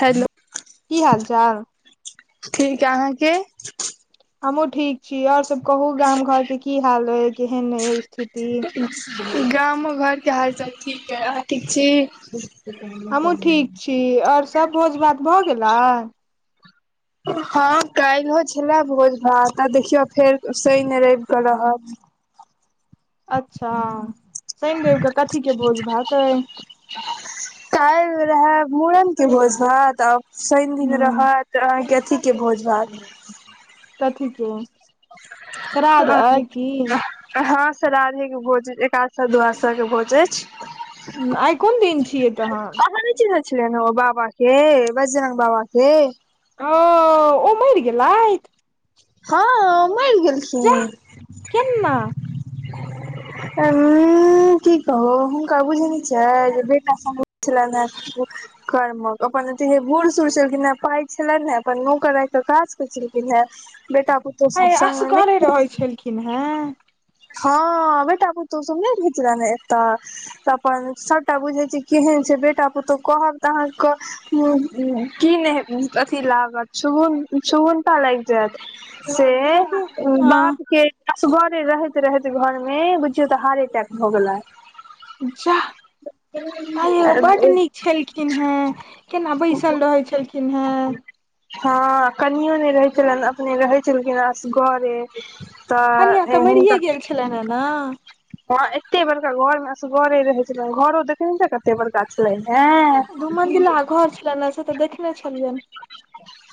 Hello की हाल चाल? ठीक हे अहाँके? हमहूँ ठीक छी, आओर सभ कहू गाम घरके की हाल अछि, केहन अछि स्थिति? गाम घरके हालचाल ठीक अछि, अहाँ ठीक छी। हमहूँ ठीक छी, आओर सभ भोज भात भऽ गेलनि? हँ काल्हिहो छलए भोज भात, आ देखियौ फेर सहि नहि रहि कऽ रहल। अच्छा शनिरावके कथीकके भोज भात अइ। काल्हि रहे मूड़न के भोज रहत आ शनि दिन ह रहत। तऽ अहाँके अथीके भोज भात कथीके श्राद्ध अइ। हँ श्रार्धे के भोज एकदशा दुआदशा के भोज अछि आइ कोन दिन छियै तहन अहाँ नहि चिनहेय छलन ओ बाबा के बजरंग बाबा के ओ ओ मरि गेलथि हँ मरि जाह गेलखिन केना [unintelligible] हुँम - की कहू हुनका बुझेने छियै जे बेटा छलनि हे कर्मक अपन अतीे बूढ़ सूढ़ छलखिन हेँ पाइ छलनि हेँ अपन नौकर राखि कऽ काज करै छलखिन हेँ बेटा पु ऐंय असगरे रहै छलखिन हेँ हँ बेटा पुतौह सभ नहि रहै छलन एतह तऽ अपन सभटा बुझैत छै केहन छै बेटा पुतहु कहब तऽ अहाँके की नहि अथी लागत क्षुगुन क्षुगुनता लागि जायत से कथी बाप हँ के असगरे रहैत रहैत घर मे बुझियौ तऽ हार्ट अटैक भऽ गेले जाह आ यौ बड्ड हँ नीक छलखिन हेँ केना बैसल रहैत छलखिन हेँ हँ कनीयों नहि रहै छलनि अपने रहै छलखिन असगरे तऽ हुनकर त - हय न हँ एतेक बड़का घरमे असगरे रहै छखिन घर देख नहि छिय कतेक बड़का गाछ लैन दू हेंय मंजिला घर छलन ने से तऽ देख देखने छलियन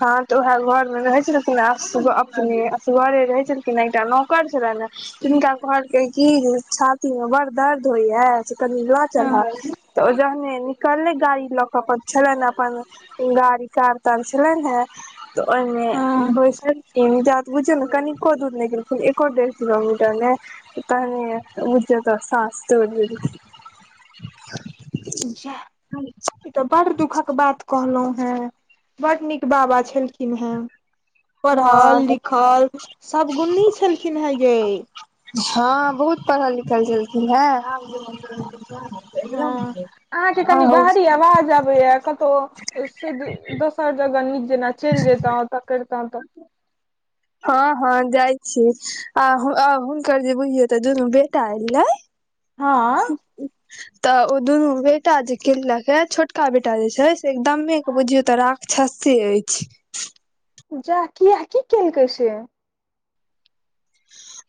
हँ तऽ उएह घरमे रहै छलखिन अपने असगरे रहै छलखिन एकटा नौकर छलनि हय तिनका कहलकै कि जे छातीमे बड़ दर्द होइएा से कनि लऽ हँ चलअ तऽ ओ जहने निकलले गाड़ी लऽ के छलनि अपन गाड़ी कार तार छलनि हेन त तऽ ओहिमे हँ बैसल खिन बुझियौ ने कनिको दूर नहि गेलखिन एको डेढ़ किलोमीटर ने तने बुझयो त साँस तोरि लेलखिन [unintelligible] जाह ई तऽ बड़ दुःखक बात कहलहुं हें बड नीक बाबा छलखिन हेँ पढ़ल हँ हँ लिखल सब गुनी छलखिन हे गे हँ बहुत पढ़ल लिखल छलखिन हेन हँ अहाँके कनि बाहरी आवाज आबैय क तो से दोसर जगह नीक जेना चलि जतहु ओतऽ करितऽ तऽ हँ हँ जाइ छी आ हुनकर जे बुझियऔ त दुनू बेटा एललैय हँ तऽ ओ दुनू बेटा जे किनलक या छोटका बेटा जे छै एकदमे के बुझियौ तऽ राक्षसे अछि जा किया की केल काय से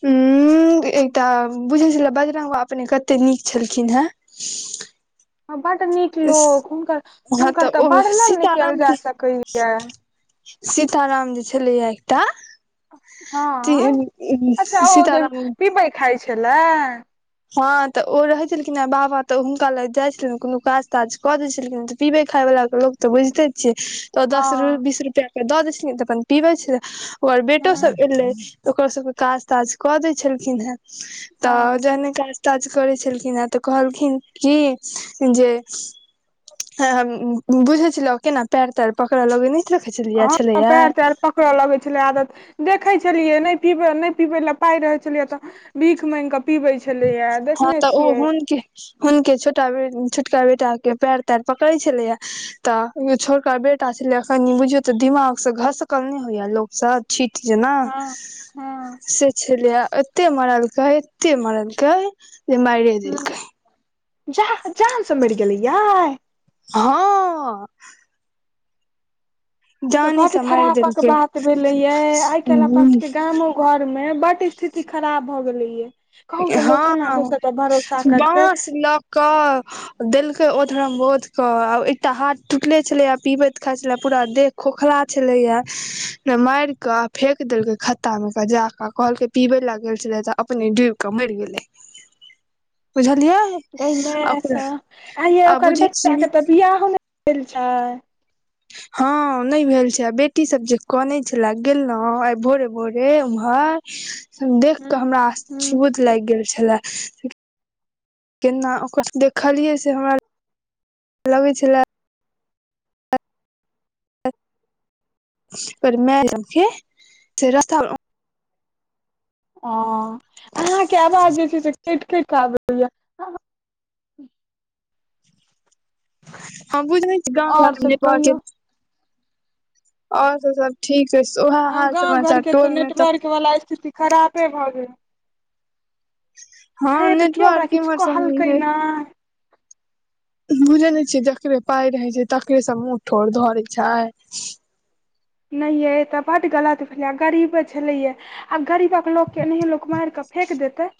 हुंम एकटा बुझल छले बजरंग बाबा अपने कते नीक छलखिन हेँ हँ बड नीक लोक हुनकर हुनकर हँ हुनकर तऽ ओ वर्णन नहि काएल सीताराम जा के सकैया सीताराम जे छलै एकटा हँ अच्छा ओ जे सीताराम पिबै खाइ छलए हँ तऽ ओ रहैत छलखिन ह बाबा तऽ हुनका लग जाइत छलनि कोनो काज ताज कऽ दै छलखिन पीबै खायवलााक लोक तऽ बुझते छिय तऽ दस हँ बीस रुपआ के दऽ देथिन तऽ अपन पीबै छै ओकर बेटो हँ सब एलै ओकरो सबके काज ताज कऽ दै छलखिन हेँ तऽ हँ जहने ताज ताज करै छलखिन हे तऽ कहलखिन क जे हँ बुझे छल केना पैर तैर पकड़ लगिनी [unintelligible] पकड़य लगैत छलै आदत देखैत छलियै नहि पीबै नहि पीबै लए पाइ रहै छलियै तऽ बिख माग कऽ पीबै छलैया हँ देखने तऽ ओ छियै हुनके हुनके छोटा बे छोटका बेटा के पैर तैर पकड़े छलैया ता छोटका बेटा छलै एखन बुझियौ तऽ दिमाग से घसकलने होइया लोक सब छीट जेना हँ हँ से छलिय एते मरल कहे एते मरल [unintelligible] ह जा जा जानसँ मढ़ गेलैया हँ ई तो जाने बड से मारि खरापक देलकै बात भेले ये आइ काल् अपना सबके गामो घर मे बड स्थिति खराब भ गेले य हँ बॉस लऽ कऽ देलकै औधरम बोध के आ एकटा हाथ टूटले छलै आ पिबैत खााय छले पूरा देह खोखला छले या ने मार के फेेक देलकै खत्ता मे के जाक कहलक पिबे लागल छले तऽ अपने डूबि के मरि गेलै बुझलियै गई माय सब आ ओकर बुझै बेटाके छियै तऽ बियाह नहि भेल छै हँ नहि भेल छै आ बेटी सब जे कहने छले गेलहुँ आइ भोरे भोरे उम्हर देख हूँ कऽ हमरा हूँ अभुत लागि गेल छले केना ओकर देखलियै से हमरा लगै छैला कर मैजम से रस ओ अहाँके आवाज जे छै से कटि कटि आबै य हमँ बुझै छी गाँ आओर घरमे सब ने प कहियौ आओर त सब ठीक ह उएह हाल समाचार टोल मे तऽ वला स्थिति खरापे भऽ गेल हँ यै तऽ केओ ओकरा नेटवर्क किछु इम्हर सब कहलकै ने बुझै नहि छियै जकरे पााय रहैत छै तकरेसँ मुँह ठोर धरे छै नहि यइ तऽ बड्ड गलत भेलै गरीबे छलैए आब गरीबक लोक के नहि लोक मार कऽ फेेक देते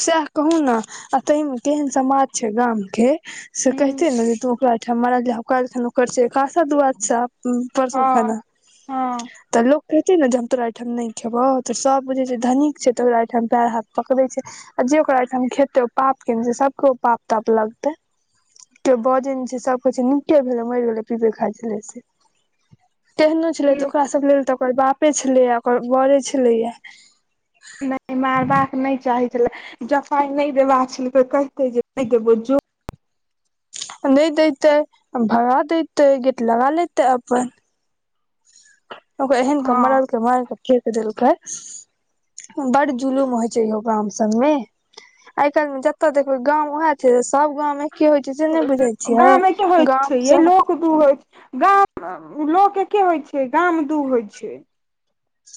सएह कहू ने आ ताहि मे केहन समाज छै गाम के से कहिते ने जे तू ओकरा ठाम मारलकन ओकर आशा दुआ हँ [unintelligible] हँ तऽ लोक कहतै ने जे हम तोरा एहिठाम नहि खेबौ तऽ सभ बुझै छै धनीक छै तऽरा एहिठाम पेड़ हाथ पकड़ै छै आ जे ओकरा ओइठाम खेते ओ पाप केन सबके ओ पाप ताप लगतै के बौजय छै सब कछ छै नीके भेले मरि गेलै पिबे खाइ छलै से केहनो छलै तऽ ओकरा सब लेल तऽ ओकर बापे छलैए ओकर बड़े छलैया नहि मारबाक नहि चाहे छले जऽ पाई नहि देबाक छल त कते जे नहि देबो जो नहि देते भगा देते गेट लगा लेते अपन ओ एहन कऽ हँ मरलके मार के फेक देलकए बड जुलुम होइ छै इहो गाम सब में आइ काल में जतताे देखबे गाँंव उएह छै सब गांव मे की होय छै से ने बुझ बुझैछिए है गाम एके होइ गाम छै यै सब लोक दू होइ छै गाम लोक के होई छै गाम दू होई छै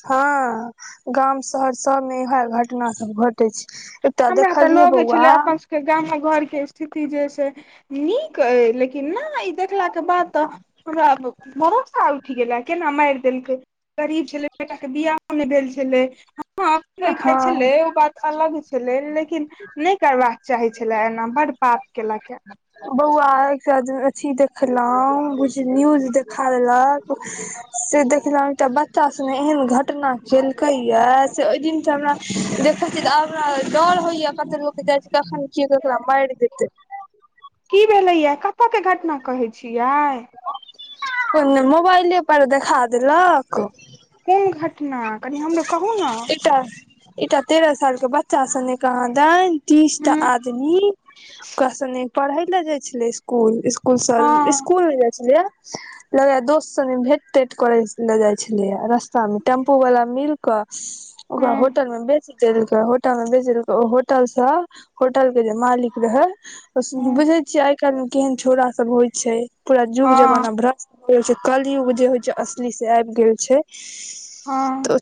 हाँ गाम शहर सब में इह घटना सब घटै एक टा अ देखलियए बौआ गाम में घर के स्थिति जे से नीक लेकिन न ई देखलाक के बाद तऽ रा भरोसा उठि गेल केना माइर देलके गरीब छेलै बेटा के बियाहो नहि भेल छलै हाँ नै खाइ हँ छेलै ओ बात अलग छेलै लेकिन नहि करबाक चाहे छेले एना बड्ड पाप केलक ए बौआ एकटा अथी देखलौं बुझ न्यूज देखा देलक से देखलौं तऽ एकटा बच्चा सने एहन घटना केलकै यै से ओहि दिन सँ हमरा देखै छी तऽ आब डर होइया कते लोक जाइ छै कखन के केकरा मारि देतै की भेलेये कतऽ के घटना कहै छियै [unintelligible] मोबाइले पर देखा देलक कोन घटना कनी हमरो कहू नऽ चास [unintelligible] एकटा तेरह साल के बच्चा सने कहाँ दनि तीस टा हँ आदमी ओकरा सने पढ़य ले जाइ छलै स्कूल स्कूल से हँ स्कूल नै जाइ छलैये लगैये दोस्त संगे भेंट तेंट करै ले जाय छेलैये रास्ता मे टेम्पू टेम्पु वाला मिल कऽ ओकरा हँ होटल मे बेच बेच देलकै होटल मे बेच देलकै ओ होटल सऽ होटल के जे मालिक रहै बुझे छियै आइ काल्हि मे केहन छौरा सब होइ छै पूरा जुग हँ जमाना भ्रष्ट कहै छै कलयुग जे होइ छै असली से आबि गेल छै हँ तऽ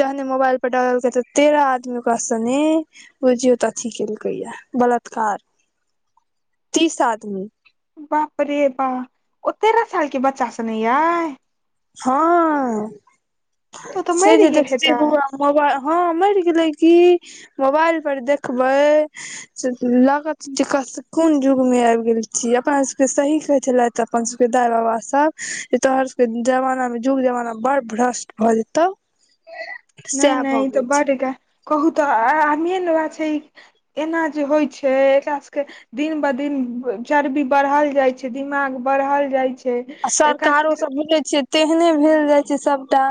जहने मोबइल पर डाललकै तऽ तेरह आदमी ओकरा सने बुझियौ तऽ अथी केलकै ये बलात्कार तीस आदमी बाप रे बा ओ तेरह साल के बच्चा सने यै हाँ तो तऽ से मरि जे गेल देखतियै हेतै बौआ मोबाइल हँ मरि गेलै कि मोबाइल पर देखबै लागत जे कोन जुग मे आबि गेल छी अपना सब के सही कहै छेलै तऽ अपन सभ के दाई बाबा सभ जे तोहर सभ के जमाना मे जुग जमाना बड़ भ्रष्ट भऽ जेतौ नहि सएह नहि भऽ ई तऽ गेल छै बड्ड ग कहू तऽ आदमीये ने वैह छै ऐना जे होइ छै एकरा सब के दिन ब दिन चर्बी बढ़ल जाय छै दिमाग बढ़ल जाय छै आ एकरा सरकारो सब बुझै छियै तेहने भेल जाय छै सबटा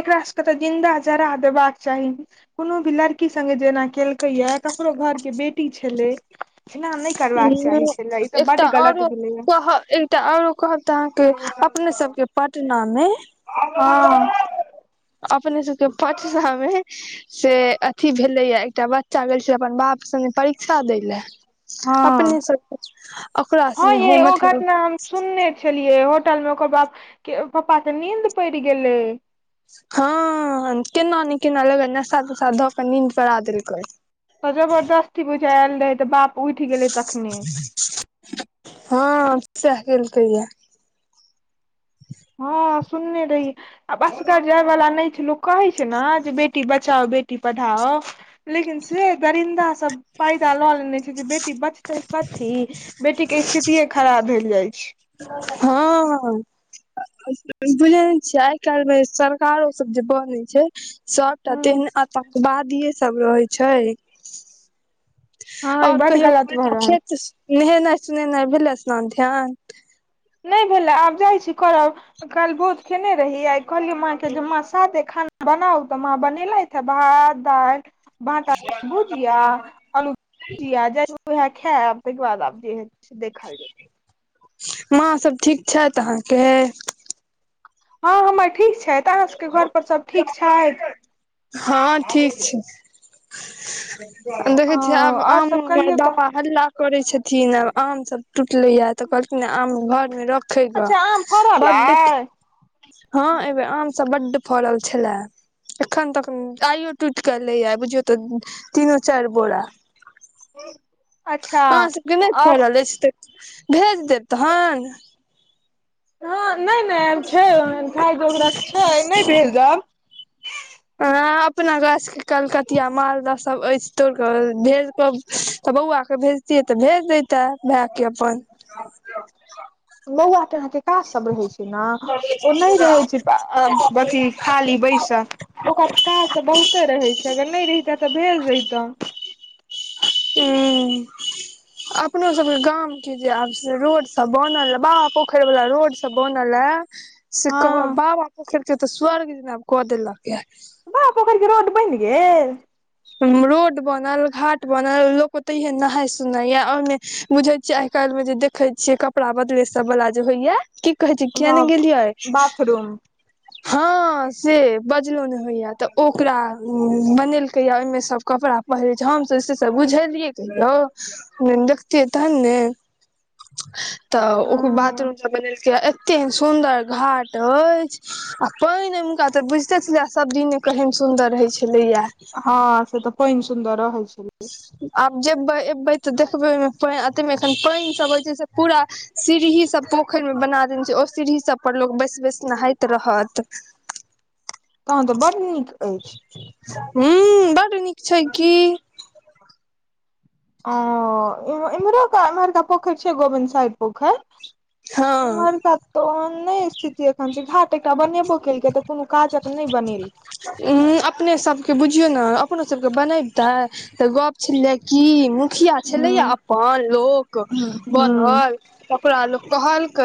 एकरा सबके तऽ जिन्दा जरा देबाक चाही कोनो भी लड़की संगे जेना केलकैये ककरो घर के बेटी छेलै एना नहि करबाक चाही छेलैये ई तऽ बड्ड गलत भेलैए हाँ ऐ [unintelligible] तऽ आओरो कहब तऽ अहाँ के अपने सब के पटना मे हँ अपने सबके पटना मे से अथी भेलैये एकटा बच् चा गेल छेलै अपन बाप संगे परीक्षा दैय ले हँ अपने सबकुछ ओकरा सने ये हँ ओ मतलब घटना हम सुनने छेलियै होटल मे ओकर बाप के पप्पा के नींद पड़ि गेलै हँ केना नै केना लगैये नशा तशा दऽ कऽ नींद पड़ा देलकै तऽ जबरदस्ती बुझाय एल रहै तऽ बाप उठि गेलै तखने हँ तऽ सैह केलकैये हँ सुनने रहियै आब असगर जाय बला नहि छै लोक कहै छै न जे बेटी बचाओ बेटी पढ़ाओ लेकिन से दरिन्दा सब पायदा लऽ लेने छै जे बेटी बचतै कथी बेटी के स्थितिये खराब भेल जाय छै हँ बुझै नै छियै आइ काल्हिमे जे सरकारो सब जे बनै छै सबटा हँ तेहने आतंकवादीये सब रहै छै हँ ई आओर बड कहियौ गलत भऽ रहल छै [unintelligible] नहेनाइ सुनेनाइ भेलै स्नान ध्यान नहि भेलै आब जाइ छी करब कल भोज खेने रहि आ कहलियै माँ के माँ सादे खाना बनाउ तऽ माँ बनेलै भात दाल भाँटा भुजिया आलु जी आ जाह खैब त बाद जे देखा लौ माँ सब ठीक छैथ अहाँके हँ हमर ठीक छथि अहाँसभके घरपर सभ ठीक छथि हँ ठीक छी ओ देखैत छियै आब आओर सभ आमोमे कहियौ तऽ दवा हल्ला करैत छथिन आब आमसभ टूटलैए तऽ कहलथि आम घर मे रखेके अच्छा आम फड़ल बड् अइ हँ एहि बेेर आमसभ बड फड़ल छलए एखन तक आइयो टूट के एलै या बुझियौ तऽ तीनो चारि बोरा अच्छा अहाँ सबके नहि आओर फडल अछि तऽ भेज देब तहन हँ नहि नहि छै खााय जोगरक छै नहि भेजब अपना गाछ के कलकतिया मालदह सब अछि तोड़िकऽ भेज क तऽ बौआ के भेज से तऽ भेज देता भाय के अपन बौआ त अहाँके काज सब रहै छै ने ओ नहि रहै छै अथी खाली बैसल ओकरा काज सब बहुते रहैत छै अगर नहि रहिते तऽ भेज दैतहु ह अपनो सबके गाम के जे आब से रोड सब बनल बा पोखरि वाला रोड बनल ह से कहब हँ बाबा पोखर के तऽ स्वर्ग जेनाब कऽ देलक य बाप पोखरि के रोड बनि गेल रोड बनल घाट बनल लोको ते ओतहि नहााय सुनाय य ओहिमे बुझे छिय आइ काल्हि में जे देखे छियै कपड़ा बदले सब वाला जे होइया की कहै छै किआ नहि गेलियै आइ बाथरूम हँ से बजलहु नहि होइया तऽ ओकरा बनेल कहिया ओहिमे सब कपड़ा पहिरै छै हम त से सब बुझेलियै कहियौ न देखतियै तहन ने तऽ ओकरो बाथरूम सब बनेलक एते सुंन्दर घाट अछि आ पानि ओहिमका तऽ बुझिते छलिय सब दिने केहेन सुन्दर रहय छलै या हँ से तऽ पैन सुन्दर रहै छलै आब जेबै एबै तऽ देखबै ओहिमे अ एखन पानि सब हो छै से पूरा सीढ़ी सभ पोखरिमे बना देने छै ओ सीढ़ी सभ पर लोक सब बैसि बैसि नहाइत रहत तहन तऽ बड‌ नीक अछि हू बड नीक छै की ओ इम्हरो इमहरका पोखरि छै गोविंद साइड पोखर हँ इमहरका त औहान नहि स्थिति की घाट एकटा बनेबो केलकै तऽ कोनो काजक नहि बनेल उ अपने सबके बुझियौ ने अपनो सबके बनबतै तऽ गप छलै की मुखिया छलै बनेलकै या अपन लोक ह ह बनल ओकरा लोक कहलकै